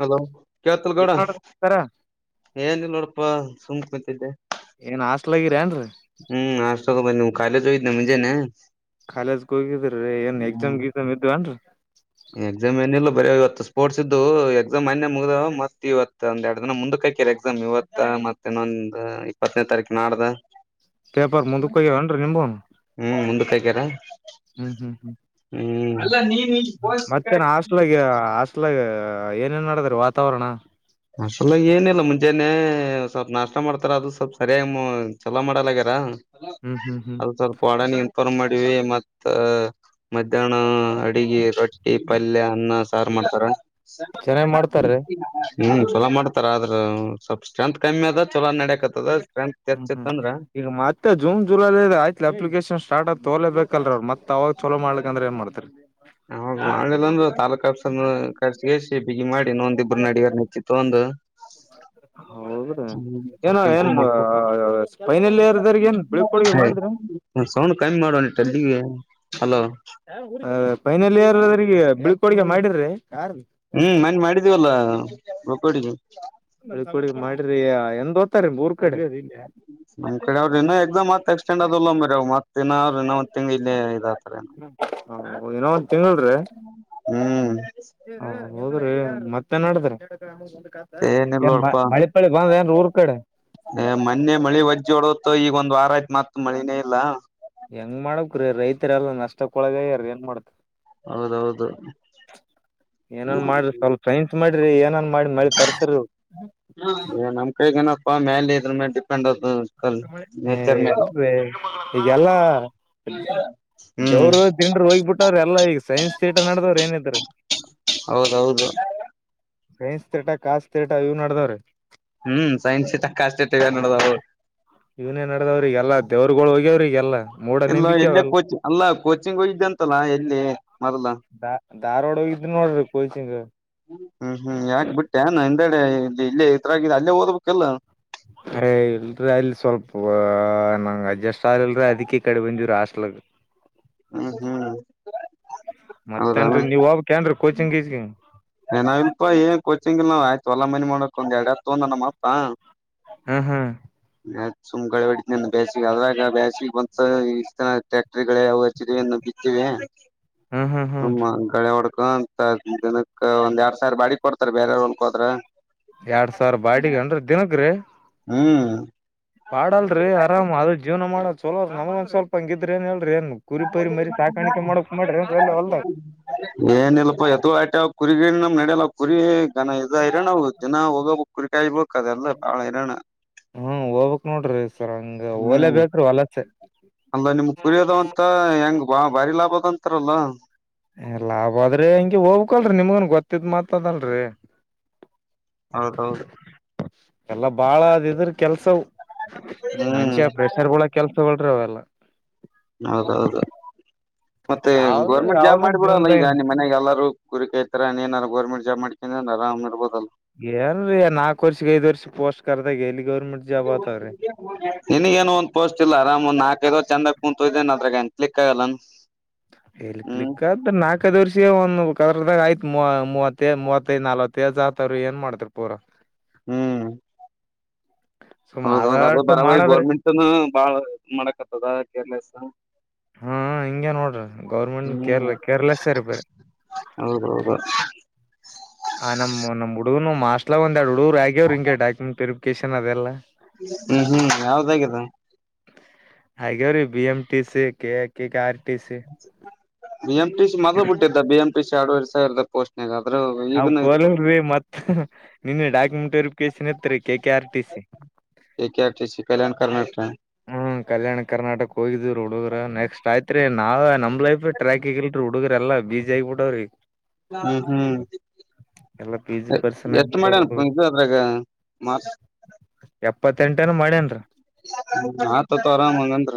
Hello ಕೇಳತಿಲ್ ಗೌಡ ಏನ್ ಮಾಡತಾರ ಏನಿಲ್ಲ ನೋಡಪ್ಪಾ. ಸುಂಮ್ ಕುಂತಿದ್ಯ. ಏನ್ ಹಾಸ್ಲಗಿರ ಏನ್ರರಿ. ಹ್ಮ್ ಆಷ್ಟ ಕಾಲೇಜ್ ಹೋಗಿದ್ನ್ಯ ಮುಂಜಾನೆ ಕಾಲೇಜ್ಗೆ ಹೋಗಿದ್ರೀ ಏನ್ ಎಕ್ಸಾಮ್ ಹ್ಮ್ ಎಕ್ಸಾಮ್ ಇದ್ವ ಅನ್ರಿ. ಎಕ್ಸಾಮ್ ಏನಿಲ್ಲ ಬರ ಇವತ್ತು ಸ್ಪೋರ್ಟ್ಸ್ ಇದ್ದು ಎಕ್ಸಾಮ್ ಅನ್ನೇ ಮುಗ್ದ ಮತ್ ಇವತ್ ಒಂದ್ ಎರಡ್ ದಿನ ಮುಂದಕ್ಕೆ ಹಕ್ಯರಿ ಎಕ್ಸಾಮ್ ಇವತ್ತ ಮತ್ತ ಇನ್ನೊಂದ್ ಇಪ್ಪತ್ತನೇ ತಾರೀಕು ನಾಡ್ದ. ಪೇಪರ್ ಮುಂದಕ್ ಹೋಗ್ಯವನ್ರಿ ನಿಂಬುನು ಹ್ಮ್ ಮುಂದಕ್ಕೆ ಹಕ್ಯಾರ ಹ್ಮ್ ಹ್ಮ್ ಹ್ಮ್ ಹ್ಮ. ಮತ್ತೇನ್ ಹಾಸ್ಲಾಗ. ಅಲಾಗ ಏನ ಏನ್ ಮಾಡದಾರ ವಾತಾವರಣ. ಅಸಲ ಏನಿಲ್ಲಾ ಮುಂಜಾನೆ ಸ್ವಲ್ಪ ನಾಷ್ಟ ಮಾಡ್ತಾರ ಅದು ಸ್ವಲ್ಪ್ ಸರಿಯಾಗಿ ಚಲೋ ಮಾಡಲ್ಗ್ಯಾರ. ಹ್ಮ್ ಹ್ಮ್ ಹ್ಮ್ ಅದು ಸ್ವಲ್ಪ ಹೊಡ ನಿ. ಪ್ಪರ್ ಮಾಡವಿ ಮತ್ತ ಮಧ್ಯಾಹ್ನ ಅಡಗಿ ರೊಟ್ಟಿ ಪಲ್ಯ ಅನ್ನ ಸಾರು ಮಾಡ್ತಾರ. ಚೆನ್ನಾಗ್ ಮಾಡ್ತಾರೀ [unintelligible] ಹ್ಮ್ ಚಲೋ ಮಾಡ್ತಾರ ಆದ್ರ ಸ್ವಲ್ಪ ಸ್ಟ್ರೆಂತ್ ಕಮ್ಮಿ ಅದ ಚಲೋ ನಡಕ್ತ್ದ. ಹ್ಮ್ ಹ್ಮ್ ಈಗ ಮತ್ತೆ ಜೂನ್ ಜುಲೈಲಿ ಆಯ್ತ್ಲಿ ಅಪ್ಲಿಕೇಶನ್ ಸ್ಟಾರ್ಟ್ ಆಗ್ ತೋಲೆ ಬೇಕಲ್ರ ಅವ್ ಮತ್ ಅವಾಗ ಚಛಲೋ ಮಾಡ್ಲಿಕ್ ಅ್ರ ಏನ್ ಮಾಡ್ತರಿ ತಾಾಲೂಕ್ ಹಸರ್ ಕರ್ಸಿ ಕಸಿ ಬಿಗಿ ಮಾಡಿ ನೊಂದಿಬರು ನಡಗಾರ ನಿತಿಿತ್ತು ಒಂದು. ಹೌದ್ರಿ ಹ್ಮ ಏನ ತರ್ಕ ಸ್ ಏನ್ ಫೈನಲ್ ಇಯರ್ದವ್ರಗ ಏನ್ ಬೀಳ್ಕೊಡುಗೆ ಮಾಡಿದ್ರ ಕಿ ಮಾಡಲ್ಲಿಲ. [unintelligible] ಡುಗ ಮಾಡಿದ್ರಿ. ಹ್ಮ್ ಮನ್ ಮಾಡಿದೀವಲ್ಲ. ಕೊಡ. [unintelligible] ಬಿಲ್ಕೋ ಡಿಗಿ ಮಾಡಿರಿ ಎಂದ. [unintelligible] ನ್ ಕಡೆ ಅವ್ರರು ಇನ್ನ ಎಕ್ಸಾಮ್ ಮತ್ ಎಕ್ಸ್ಟೆಂಡ್ ಅಲ್ಲ ಮರಿ ಅವ್ ಮತ್. ನ್ರ ನ. ಮಿಲ್ಲ ಇಾಥ. ಹ ಹೌದುನೋ. ತಿಂಗಳ್ರೀ. ಹ್ಮ್ ಹೌದ್ರಿ ಮತ್ತೆ ನಡದ್ರ. ಏನಿಲ್ಲ ಏನ್ ಬಳಿಪಳಿಗ್ ದ ಏನ್ ಊ ಕಡ ಏ ಮೊನ್ನೆ ಮಳಿ ಒಜ್ಜ ಹೊಡತ ಈಗ ಒಂದ್ ವಾರ ಆಯ್ತು ಮತ್ ಮಳಿನೇ ಇಲ್ಲ ಹೆಂಗ್ ಮಾಡಕ್ ರೀ ರೈತರೆ ಎಲ್ಲಾ ನಷ್ಟಕ್ಕೊಳಗಯಾರ ಏನ್ ಮಾಡತ್ ಹೌದೌದು ಹ್ಮ ರೀ ಏನಂದ ಮಾಡಿ ಮ ತರ್ಸರು- ಪಾ ಮೇಲೆ ಇದರ್ ಡಿಪೆಂಡ್ ಆದು ಹ ಎಲ್ ಈಗೆಲ್ಲಾ ಹ್ಮ್ ದೇವರು ದೀನ್ಡರು ಹೋಗಿಬಿಟ್ಟವ್ರ ಎಲ್ಲಾ ಈಗ ಸೈನ್ಸ್ ಥಿಯೇಟರ್ ನಡದವ್ರ ಏನಿದರು ಹೌದೌದು ಸೈನ್ಸ್ ತೀಟ ಕಾಸ್ ತೀಟ ಇವ್ ನಡ್ದಾವ್ರೆ ಹ್ಮ್ ಸೈನ್ಸ ತಿಟ ಕಾಸ್ಟ್ ತಿಟ ಇವೆ ನೆಡದವು ಇವನ್ನೇನ್ ನಡ್ದವ್ರಿಗೆ ಎಲ್ಲಾ ದೇವ್ರಗಳು ಹೋಗ್ಯಾವ್ರಿಗೆ ಎಲ್ಲ ಇಲ್ಲ ಎಲ್ಲ ಕೋಚಿಂಗ ಅಲ್ಲ ಕೋಚಿಂಗಗ್ ಹೋಗಿದತಲ್ಲ ಎಲ್ಲಿ ದ ಧಾರವಾಡ ಹೋಗಿದೆ ನೋಡ್ರಿ ಕೋಚಿಂಗ್ ಹ್ಮ್ ಹ್ಮ್ ಯಾಕ್ ಬಿಟ್ಟೆನೆ ಅಡೆ ಇಲ್ಲಿ ಇಲ್ಲೇ ಇದರ ಅಲ್ಲೇ ಓದ್ಬೇಕಲ್ಲ ಅಯ ಇಲ್ರಿ ಅಲ್ಲಿ ಸ್ವಲ್ಪ ನಂಗ ಅಡ್ಜಸ್ಟ್ ಆಗ್ಲ್ರಿ ಅದಕ್ಕೆ ಕಡೆ ಬಂದಿವ್ರಿ ಹಾಸ್ಟೆಲ್ಗಾ [inaudible] ಹ್ಮ್ ಹ್ಮ್ ಹೌದಾ ಮತ್ತೇಡ್ರಿ ನೀವ ಹೋಗಬೇಕ್ರಿ ಏನ್ರಿ ಕೋಚಿಂಗ್ ನಾವ ಇಲ್ಪ ಏನ್ ಕೋಚಿಂಗಿಲ್ಲ ನಾ ಆಯ್ತ ಒಂದು ಎರಡ್ ಹಸು ತಕೊಂಡಣ್ಣ ನಮ್ಮಪ್ಪ ಹಾ ಹಾ ಸುಮ್ಗಳ ಹೊಡ ಬೇಸಿಗೆ ಅದ್ರಾಗ ಬೇಸಿಗೆ ಬಂತ ಇಷ್ಟತನ ಟ್ರ್ಯಾಕ್ಟರ್ಗಲು ಹೆಚ್ಚಿವೆ ಬಿಟನೆ ಹ್ಮ್ ಹ್ಮ್ ಹ್ಮ್ ನಮ್ಮ ಗಾಡಿ [inaudible] ಒಂದ್ ಎರಡ್ ಸಾವಿರ ಬಾಡಿ ಕೊಡ್ತಾರೆ ಬೇರೆವರಾ ಹೊಲಕೆ ಹೋದ್ರೆ ಎರಡ್ ಸಾವಿರ ಬಾಡಿಗೆ ಅಂದ್ರೆ ದಿನಕ್ರಿ ಹ್ಮ್ ಪಾಡಲ್ರಿ ಆರಾಮ್ ಅದ ಜೀವನ ಮಾಡ ಚಲೋ ನಮಗೆ ಒಂದ ಸ್ವಲ್ಪ ಹಂಗಿದ್ರೆ ಹೇಳ ಮಾಡ್ರಿ ಎಲ್ಲಿ ಹೊಲ್ದಾಗ. ಏನಿಲ್ಲಪ್ಪಾ ಎತುಗಳು ಅಟ್ಟೆ ಕುರಿಗಳು ನಮಗೆ ನೆಡಿಯಲ್ಲ ಕುರಿ ದನ ಇದ ಇರಾಣ ಹ ದಿನ ಹೋಗಬೇಕ ಕುರಿಕಾಯ ಇರ್ಬೇಕಕ್ ಅದೆ ಎಲ್ಲ ಬಾಳ ಇರಾಣ ಹ್ಮ್ ಹೋಗ್ಬೇಕ್ ನೋಡ್ರಿ ಸರ್ ಹಂಗ ಹ್ಮ್ ಹೋಲೇಬೇಕ್ರಿ ವಲಸೆ. ಅಲ್ಲ ನಿಮ್ಗ್ ಕುರಿಯದವ್ ಅಂತ ಹೆಂಗ ಬಾ ಬಾರಿ ಲಾಭ ಆದ ಅಂತಾರಲ್ಲ ಲಾಭ ಆದ್ರೆ ಹಿಂಗೇ ಹೋಗ್ ಹಕಲ್ರಿ ನಿಮಗನ್ ಗೊತ್ತಿದ್ ಮಾತಾದಲ್ರರಿ ಹೌದೌದು [inaudible] ಎಲ್ಲ ಬಾಳ ಅದ ಇದ್ರ ಕೆಲ್ಸವು ಹ್ಮ್ ಮಂಷ್ಯ ಪ್ರೆಷರ್ಗಳಕೆಲ್ಸಗಳು ಅವೆಲ್ಲ ಹೌದೌದು ಮತ್ತೆ ಯಾವ್ದು ಗೌರ್ಮೆಂಟ್ ಜಾಬ್ ಯಾವ್ದನ್ ಮಾಡಿಬಿಡಲ್ಲ ಜೀವನ್ದಾಗಿನ್ ಈಗ ಮನಾಗ ಎಲ್ಲಾರೂ ಕುರಿಕೈತರ ನೀನ ಗರ್ಮೆಟ್ ಜಾಬ್ ಮಾಡಕನ ಆರಾಮರ್ಬೊದಲ ಏನ್ರೀ ನಾಕ ವರ್ಷಗಿ ಐದ ವರ್ಷಗಿ ಪೋಸ್ಟ್ ಕರ್ದಾಗ ಎಲ್ಲಿ ಗೌರ್ಮೆಂಟ್ ಜಾಬ್ ಆತಾವ್ರಿ ನಿನಗಏನು ಒಂದ್ ಪೋಸ್ಟ್ ಇಲ್ಲ ಅರಾಮ್ ಒಂದ್ ನಾಕಐದ ಚಂದ ಕುಂತುಯ್ದೇನ್ ಅದ್ರಾಗ ಎನ ಕ್ಲಿಕ್ಕ ಆಗಲ್ಲನ್ ಹ್ಮ್ ಹೇಳ್ಕ್ಲಿಕ್ಕಾದ ನಾಲ್ಕದ ವರ್ಷ ಒಂದು ಕದಾಗ ಆಯ್ತ್ ಮೂವತ್ತ ಮೂವತ್ತ ನಲ್ತ್ತ ತೇಜಾತರು ಏನ್ ಮಾಡ್ತಾರ್ ಪೂರ ಹ್ಮ್ ಸುಮ್ ಹೌದೌದು ಅದ ಆದಟ್ಟು ಬರಬರಿ ಮಾಡದ್ರಿ ಗೋರ್ಮೆಂಟ್ ಬಾಳ್ ಮಾಡಕತ್ತದ ಕೇರ್ಲೆಸ್ ಹಾ ಹಿಂಗೆ ನೋಡ್ರಿ ಗೌರ್ಮೆಂಟ್ ಹ್ಮ್ ಕೇರ್ ಕೇರ್ಲೆಸ್ರ್ಪರಿ ಹೌದೌದು ಆ ನಮ ನಮ್ಮ್ ಹುಡುಗರುನು ಹಾಸ್ಟ್ಲ ಒಂದ ಎರಡು ಹುಡುಗರು ಆಗ್ಯವ್ರು ಹಿಂ ಡಾಕ್ಯುಮೆಂಟ್ ವೊಕೇಶನ್ ಅದೆಲ್ಲ ಹ್ಮ್ ಹ್ಮ್ ಯಾವದಾಗದ ಹಾಗ ರೀ ಬಿ ಎಂ ಟಿ ಸಿ ಕ ಕಾರ ಸ ಬಿ ಎಂ ಟಿ ಸಿ ಮದ್ಲ ಬಿಟ್ಟಿದ್ದ ಬಿ ಎಂ ಪಿ ಸಿ ಆಡು ಇರ್ ಪೋಸ್ಟ್ಗ ನಾವ ಕೋಲಲ್ ಮತ್ತ ನಿನ್ನ ಡಾಕ್ಯುಮೆಂಟ್ ವೆರಿಫಿಕೇಶನ್ ಎ K K R T C Kalyana Karnataka ಹ್ಮ್ ಕಲ್ಯಾಣ ಕರ್ನಾಟಕ ಕೋಗಗಿದ್ದು [inaudible] ಹುಡುಗ್ರ ನೆಕ್ಸ್ಟ್ಯತ್ರಿ ನಾವ ನಂಬ ಲ ಟ್ರ್ಯಾಕ್ ರೂಡು ಎಲ್ಲ ಬೀಜ ಆಗಬಿಟ್ಟಾವ್ರಿ ಹ್ಮ್ ಹ್ಮ್ ಎಲ್ಲಾ ಬೀಜಿ ಪರ್ಸನ್ ಎಷ್ಟ ಆಗಿಬಿಟ್ಟವ್ರ ಮಾಡ್ಯನ್ ಹುಡುಗರು ಅದ್ರಾಗ ಮ ಎಪ್ಪತ್ತೆಂಟನ ಮಾಡ್ಯಾನ್ರೀ ಹ ಹತ್ತ್ತು ಆರಾಮ್ ಹಂಗಂದ್ರ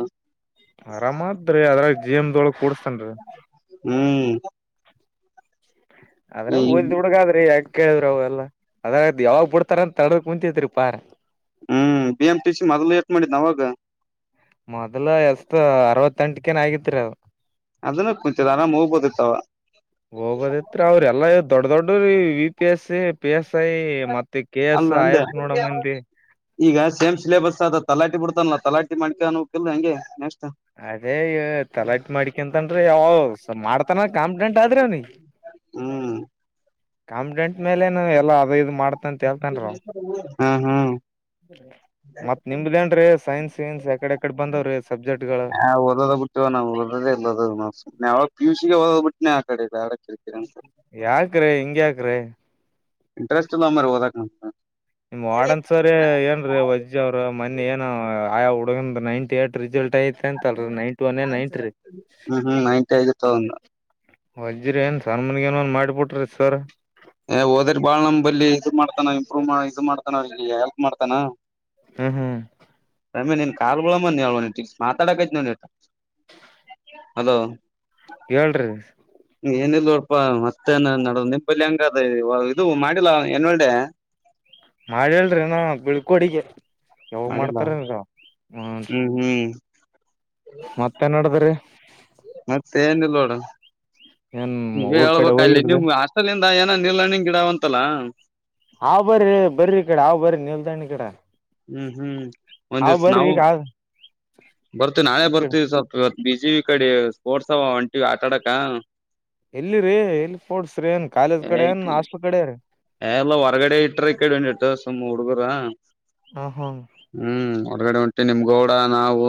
ಆರಾಮತ್ದ್ರೀ ಅದ್ರ ಜೇಮ ದಳ ಕೊಡ್ ಹ್ಮ್ ಆದದ್ರ ಓದ್ ಹುಡುಗ ಆದ್ರಿ ಯಾಕ ಕೇಳಿದ್ರ ಅವೆಲ್ಲಾ ಅದ್ ಯಾವಾಗ್ ಬಿಡ್ತಾರ ಅಂತ ತಡಕ್ ಮುಂಂತತ್ರಿ ಪಾರ್ ಹ್ಮ್ ಬಿ ಎಂ ಟಿ ಸಿ ಮೊದ್ಲು ಏಟ್ ಮಾಡಿದ್ ಅವಾಗ ಮೊದ್ಲ ಎಸ್ ಅರವತ್ತೆಂಟಕನ್ ಆಗಿತ್ರಿ ಅದು. ಅದನ್ನ ಕುಂಚದ ಆರಾಮ್ ಹೋಗ್ಬೋದಿತ್ತವ. ಹೋಗೋದಿತ್ರಿ ಅವ್ರ ಎಲ್ಲಾ ದೊಡ್ಡ ದೊಡ್ಡ ರ V P S C P S I ಮ. ಮತ್ತೆ ಕೆ ಎಸ್ ಅಲ್ಲ ಅಂದೆ ಆಯಸ್ ನೋಡಮ್ಮಂದಿ. ಈಗ ಸೇಮ್ ಸಿಲೆಬಸ್ ಅ ತಲಾಟಿ ಬಿಡ್ತಾನಲ್ಲ ತಲಾಟಿ ಮಾಡ್ಕ ಅೋ ಕಲ್ ಹಂಗೆ ನೆಕ್ಸ್ಟ್. ಅದೇ ತಲಾಟ ಮಾಡಿಕಿಂತನ್ ಯಾವ ಮಾಡ್ತಾನ. ಕಾಮ ತ ಅ ಆದರನಿ. ಹ್ಮ್ ಕಾಂಪಿಡೆಂಟ್ ಮೇಲೆ ಎಲ್ಲ ಅದ ಇದು ಮಾಡ. ಹ್ಮ ಹ್ಮ ಮತ್ ನಿಮ್ದೇನ್ರೀ ಸೈನ್ಸ್ ಗಿನ್ಸ್ ಯಕಡೆ ಯಕಡೆ ಬಂದವ್ರಿ ಸಬ್ಜೆಕ್ಟ್ ಗಳು ಹ ಬಿಟ್ಟ ನ ಎಲ್ಲ ಪಟ್ಟ. ಆ ಕಡೆ ಇದೆ. ಯಾಕ್ರೆ ಹಿಂಗ ಯಾಕ. [unintelligible] ್ ಇಂಟ್ರೆಸ್ಟ್ಲ್ಲ ಮ ಓದಕ್ಕ. ನಿಮ್ ವಡನ್ಸರಿ ಏನ್ರೀ ವಜ್ಜ ಅವ್ರ ಮೊನ್ನಿ ಏನ. ಆಯಾ ಉಡಗಿಂದ ನೈನ್ಟಿಏಯಟ್ ರಿಸಲ್ಟ್. ಐತೆ ಅಂತಲ್ ನೈಂಟ್ ಒನ್ೇ ನೈಂಟ್ ರೀ. ಹ್ಮ್ ಹ್ಮ್ ನೈಂಟಿ ಆಗಿತ್ತು ಅವಂದು ವಜ್ರ ಏನ್ ಸನ್ಮನ್ಗ ಏನ್ನ್ ಮಾಡಿಬಿಟ್ರಿ ಸರ್. ಏ ಹೋದ್ರ ಬಾಳ್ ನಮ್ ಬಲಿ ಇದು ಮಾಡ್ತಾನ ಇಂಪ್ರೂವ್ ಇದು ಮಾಡ್ತಾನ ಅವ ಹೆಲ್ಪ್ ಮಾಡ್ತಾನ. ಹ್ಮ್ ಹ್ಮ್. ಕಾರಬಳ ಮಾತಾಡ ಕ ಹಲೋ. ಹೇಳ್ರರಿ. ಏನಿಲ್ಲಡಪಾ ಮತ್ತೇನ ನಡ ನಿಪಲ್ಲಿ ಹಂಗ ಅದ ಇದು ಮಾಡಿಲ್ಲ ಏನ್ ಒೆ. ಮಾಡ ಹೇಳರಿ ನಾ ಬಿಳ್ಕೋಡಿಗೆ. ಯಾವ ಮಾಡಿಲ್ಲ ಮಾಡ್ತಾರ ನೀಗ. ಹ್ಮ್ ಹ್ಮ್. ಮತ್ತೆ ನಡದ್ರಿ ಮತ್ತೆ ಏನ್ಲ್ಲೋಡ. ಏನ್ ನೀ ಊರ್ ಕಡೆ ಹೇಳ್ಬೇಕ ಅಲ್ಲಿ ಹೋಗಿರ್ದ ನಿಮ್ ಹಸ್ಟ. ಏನ ನೀರ್ಣಿಂಗ ಗಿಡಾವಂತಲ್ಲ. ಹಾ್ ಬರರಿ ಬರ್ರರಿ ಈ ಕಡೆ ಹ್ ಬರ್ರ ನಿಲ್ದಣ ಈ ಕಡೆ. ಹ್ಮ್ ಹ್ಮ್ ಹಾವ್ ಒಂದ್ವಸ ಬರ್ರಿ ನಾವು ಈಗ ಬರ್ತೀವಿ ನಾಳೆ ಈ ಕಡೆ ಬರ್ತೀವಿ ಸ್ವಲ್ಪ. ಬಿಸ ಈ ಕಡೆ ಸ್ಪೋರ್ಟ್ಸ್ ಒಂಟಿವ ಆಟಾಡಕ್ಕ. ಎಲ್ಲಿರಿ ಇಲ್ಲಿ ೋಡ್ಸ್ರಿ ಏನ್ ಕಾಲೇಜ್ ಕಡೆ ನ್ ಹಾಸ್ಟೆಲ್ ಕಡೆ ರೀ. ಎ ಎಲ್ಲ ಹೊರ್ಗಡೆ ಇಟ್ರ ಕಡೆ ಹೊ ಇಟ್ಟ ಸುಮ್ಮ್ ಹುಡುಗರ ಹಾ ಹಾ ಹ್ಮ್ ಹೊರ್ಗಡೆಂಟ. ಷ್ಟ ನಿಮ್ ಗೌಡ ನಾವು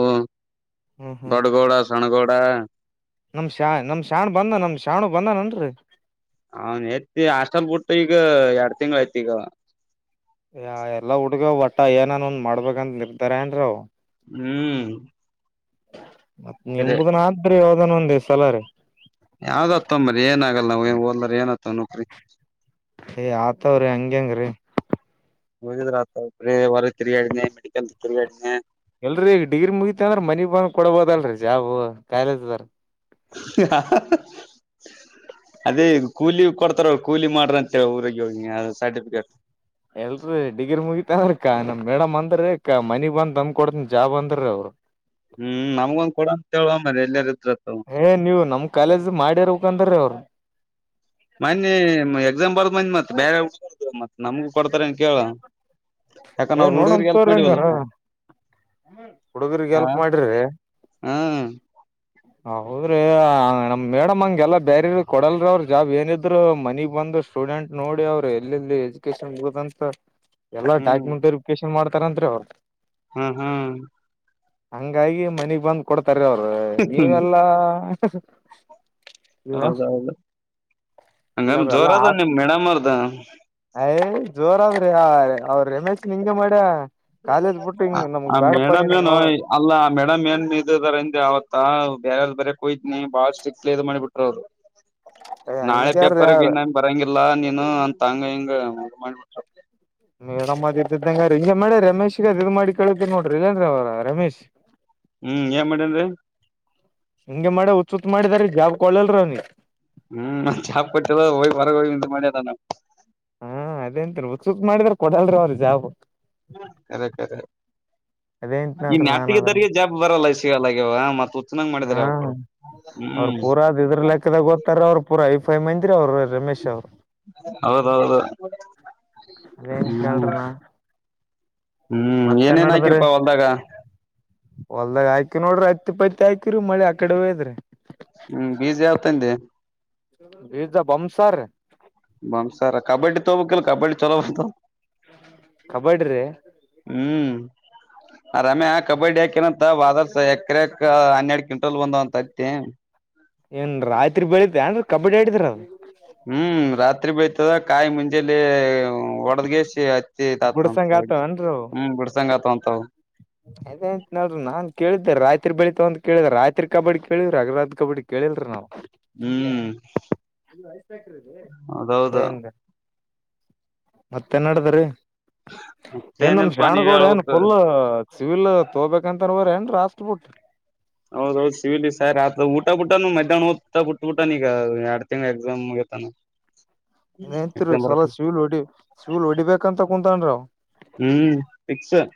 ಹ್ಮ್ ಹ್ಮ್ ಬಡಗೋಳ ತಣಗಡ ನಮ್ ಶ ನಮ್ ಶಾಣ್ ಬಂದ ನಮ್ ಶಾಣ ಬಂದಾನನ್ರಿ ಅವನ್ ತಿ ಹಾಸ್ಟೆಲ್ ಬಿಟ್ಟು ಈಗ ಎಡ್ ತಿಂಳಐ್ತಈಗ ಯ ಎಲ್ಲಾ ಹುಡುಗ ಒಟ್ಟ ಮ ಏನನ್ ಒಂದ್ ಮಾಡ್ಬೇಕಂದ ನಿರ್ತಾರ ಏನ್ರ್ [unintelligible] ಹ್ಮ್ ಹ [unintelligible] ಮತ್ ಸರಿ ನಿಮುದನ್ಾತ್ ಬ್ರಿ ಅನ್ ಒಂದ ಸಲ ರ ಯಾವ್ದ್ ಹತ್ತವಂಬರಿ ಏನ ಆಗಲ್ಲ ನಾವ ಓದಲ್ದಾರ ಏನ್ ಹತ್ತವ ನೋಕ್ರಿ ಏಯ್ ಆತವ್ರಿ ಹಂಗಗೆ ಹೆಂಗ್ರೀ ಹೋಗಿದ್ರ ಆ ಒ ಹೊರ ತಿರುಗಾಡಿನಿ ಮೆಡಿಕಲ್ ತಿರುಗಾಡಿನಿ ಎಲ್ರೀ ಈಗ ಡಿಗ್ರಿ ಮುಗಿತ ಅಂದ್ರ ಮನಿ ಬನ್ ಕೊಡಬೋದಲ್ರೀ ಜಾಬ್ ಕಾಲೇಜ ಅಾರ ಅದೇ ಕೂಲಿ ಕೊಡ್ತಾರ ಕೂಲಿ ಮಾಡ್ರಂತ ಊರಿಗೆ ಹೋಗಿ ಸರ್ಟಿಫಿಕೇಟ್ ಎಲ್ರಿ ಡಿಗ್ರಿ ಮುಗಿತ ಅಂದ್ರ ಕ ನಮ್ ಮೇಡಮ್ ಅಂದ್ರೀ ಮನಿಗ್ ಬಂದ ತಮ್ ಕೊಡ್ತನ್ ಜಾಬ್ ಅಂದ್ರೀ ಅವ್ರು ಎಲ್ಲ ಏ ನೀವು ನಮ್ ಕಾಲೇಜ್ ಮಾಡಿರ್ಬೇಕಕ್ಂತ್ರೀ ಅವ್ರು ಮನ್ನಿ ಎಕ್ಸಾಮ್ ಬರದ ಮ ಮತ್ ಬೇರೆ ಹುಗ ಮತ್ ನಮಗು ಕೊಡ್ತಾರ ಅನ್ ಕೇಳ ಯಾಕ ಏ ಅವ್ರ ನೋಡಮ್ ಹುಡ್ಗರ್ ಎಲ್ಪ್ ತೋರಿ ಹಂಗಾರ ಮಾಡವಲ್ಲಪ್ಪ ಹುಡುಗರ್ಗ್ ಹ ಹೆಲ್ಪ್ ಮಾಡ್ರಿ ಹ ಹ [inaudible] ಹೌದ್ರಿ ನಮ್ ಮೇಡಮ್ ಹಂಗೆಲ್ಲಾ ಬೇರೆ ಕೊಡಲ್ರಿೀ ಅವ್ರರು ಜಾಬ್ ಏನಿದ್ರು ಮನಿಗ್ ಬಂದು ಸ್ಟೂಡೆಂಟ್ ನೋಡಿ ಅವ್ರ ಎಲ್ಲಿೆಲ್ಲಿ ಎಜುಕೇಶನ್ ಇಗದಂತ ಎ ಹ್ಮ್ ಾಕ್ಯೆಂಟ್ರಿೇಶ್ [unintelligible] ನ್ ಮಾಡ್ತಾರಂತತ್ರಿ ಅವ್ರ ಹ್ಮ್ ಹ್ಮ್ ಹಂಗಾಗಿ ಮನೆಗ್ ಬಂದ್ ಕೊಡ್ತಾರೆ ಅವ್ರು ನೀವೆಲ್ಲಾ ಹ ಹೌದೌದು ಹಂಗಾಮ ಜೋರ ಇಲ್ಲವೆಲ್ಲಾ ಅದ ನಿಮ್ ಮೇಡಮ್ರ್ದ ಜೋರಾದ್ರೆ ಯ ಅವ್ರರಮೇಶ್ ನಿಂಗೆ ಮಾಡ್ಯ ಕಾಲೇಜ್ ಬಿಟ್ಟು ಹಿಂಗ್ ನಮಗ್ ಆ ಬ್ಯಾಡಪ ಮೇಡಮ್ ಏನು ನೀನು ಅಲ್ಲ ಆ ಮೇಡಮ್ ಏನ್ ಇದದಾರಿಂದ ಅವತ್ತು ಹಾ ಬ್ಯಾರದ್ ಬರೆಕ್ ಹೋಯ್ತಿನಿ ಬಳ್ ಸಿಕ್ ಇದು ಮಾಡಿ ಬಿಟ್ರು ಅವ್ರ್ ನಾಳೆ ಹಂಗ್ಯಾರ್ರೀ ಯಾರ ಪೇಪರ್ಗೆ ನನ್ ಬರಂಗ್ ಎಲ್ಲಾ ನೀನು ಅಂತ ಹಂಗ ಹಿಂಗಮಾಡಿಬಿಟ್ರೇಪ್ಪಾ ಮೇಡಮ್ಮ ಅದ ಇದ್ದದ್ದಂಗ ರೀ ಮೇ್ರ ರಮೇಶ್ಗ ಅದು ಇ್ ಮಾಡಿ ಕೇಳಳ್ಕ್ಕೆ ನೋಡ್ರರಿಜೇಂದ್ರ ಅವರು ಅನ್ಇಂಟೆಜಿಬಲ್ [unintelligible] ಹ್ಮ್ ಏನ್ ಮಾಡೇನ್ ರೀ ಹಿಂಗೆ ಮಾಡ ಹುಚ್ ಹುಚ್ ಮಾಡಿದಾರಿ ಜಾಬ್ ಕೊಳ್ಳಲ್ರ ಅವನಿಗೆ ಹ್ಮ್ ಚಛಾಪಟಿದಾಗ ಹೊರಗ್ ಹೋಗಿ ನಿಂತ ಮಾಡಿದಾವ ಅಂತ ಹುಚ್ ಹುಚ್ ಮಾಡಿದ್ರೆ ಕೊಡಲ್ರಿ ಅವ್ರ ಜಾಬ್ ಕರೆ ಕರೆ ಈ ಅದೇಂತನಲ್ರಿ ನಾನ್ ಅದ್ರ ನೇಟಿಗಿದವರಿಗೆ ಜಾಬ್ ಬರಲ್ಲ [unintelligible] ಹಾ ಅವ ಅವ್ರ ಹ್ಮ್ ಪೂರದ್ ಇದ್ರ ಲೆಕ್ಕದಾಗ ಓದತಾರ ಅವ್ರು ಪೂರಾ ಫೈ ಮೆನ್ ಇದ್ರು ಅವರು ರಮೇಶ್ ಅವರು ಹೌದೌ ಹೌದು ಹ್ಮ್ ಅದೇಂತನಲ್ರಿ ನಾ ಹ್ಮ್ ಮತ್ತೆ ಏನೇನ್ ನಡದ್ರಿ ಹಾಕಿರ್ಪ ಹೊಲ್ದಾಗ ಹೊಲ್ದಾಗ ಹಾಕಿ ನೋಡ್ರಿ ಹತ್ತಿ ಪತ್ತಿ ಆಯಕರಿ ಮಳೆ ಆ ಕಡೆ ಹೋಯದ್ರಿ ಹ ಬೀಜ ಯಾವಾಗ್ ತದೇ ಈಜ ಬಮಸರ್ ಬಮ ಸಾರ ಕಬಡ್ಡಿ ತಗೋಬೇಲ್ಲ ಕಬಡ್ಡಿ ಛಲೋ ಬರ್ತಾ ವ ಕಬಡ್ಡಿ ರೀ ಹ್ಮ್ ಆ ರಾಮ್ಯಾ ಕಬಡ್ಡಿ ಹಾಕನಂತ ವಾದ್ ವರ್ಷ ಎಕರೆಕ ಹನ್ನೆರಡು ಕ್ವಿಂಟಲ್ ಬಂದವ ಅಂತ ಐತಿ ಏನ್ ರಾತ್ರಿ ಬೆಳಿತ ಏನ ಕಬಡ್ಡಿ ಆಡಿದ್ರ ಹ್ಮ್ ರಾತ್ರಿ ಬೆಳಿಯ್ತದ ಕಾಯ ಮುಂಜಾಲೇ ಹ್ಮ ಒಡದಗೆಸಿ ಬುಡ ಸಾಂಗ್ ಆಗ್ತವೆ ಏನ್ರಿ ಚಂಗ ತಂತ ಆ [inaudible] ಅದ್ತ್ ನಲ ನಾನ್ ಕೇಳಿದ್ದೆ ರಾತ್ರಿ ಬೆಳಿತ ತಾವ ಅಂತ ಕೇಳಿದ ರಾತ್ರಿ ಕಬಡ್ಡಿ ಕೇಳಿದವ್ರಿ ಹಗಲತ್ ಕಬಡ್ಡಿ ಕೇಳಿಲ್ರಿ ನಾವು ಹ್ಮ್ ಹೌದ ಹೌದ ಅದೇ ಹಂಗ ಮತ್ತೆ ನಡಿದ್ರಿ ಏನ್ ಮತ್ತೇನಿಲ್ಪಾ ನೀವ್ ಶ್ಯಾಣಗೋಡ ಏನ್ ಹೇಳ್ಬೇಕ ಫುಲ್ ಸಿವಿಲ್ ತೋಬೇಕಂತ ಹರ ಏನ್ ರಾಷ್ಟಟ್ ಬುಟ್ ಹೌದೌದ್ ಸಿ ವಿಲಿ ಸಾಯ ಆತ ಊಟ ಬಿಟನು ಮಧ್ಯಾಹ್ನ ಹೊತ್ತು ಊಟ ಬಿಟ್ ಬೂಟಾನ ಈಗ ಎರಡು ತಿಂಗಳಾಯಿತು ಮುಗತಾನ ಇತ್ರಿ ಸಲ ಶಿವಲ್ ಹೊಡಿ ಶಿವಲ್ ಹೊಡಿಬೇಕಂತ ಕುೂಂತನರೀ ಅವಾ ಹ್ಮ್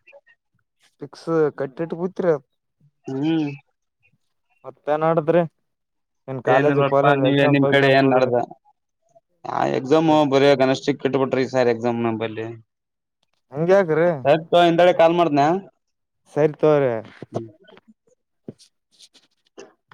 [inaudible] ಫಿಕ್ಸ್ ಕಟ್ಟಿಟ್ಟ ಬೂತ್ರಿ ಅದ ಹ್ಮ್ ಮತ್ತ ಏನ್ ನಡದ್ರಿ ಏನ್ ಕಾಲೇಜ್ ಏನಿಲ್ಲಪ್ಪ ಪಾಲೇಜ್ ನೀವ ಎಕ್ಸಾಮ್ ನಿಮ್ ಕಡೆ ಪಕ್ಸಾಮ್ ಏನ್ ಹೋಗ್ರಿ ನಡ್ದ ಆ ಎಕ್ಸಾಮ್ ಬರೆಯಾಕನಿಕ್ ಸ್ಟಿಕ್ ಇಟ್ಟುಬಿಟ್ಟರೆ ಈ ಸಾರಿ ಎಕ್ಸಾಮ್ ನಂಬಲ್ಲಿ ಹಂಗ್ಯಾಕ್ರಿ ಹ ಸರಿ ಹಿಂದಳೆ ಕಾಲ್ ಮಾಡತನ ಸರಿ ತೋರಿ [unintelligible]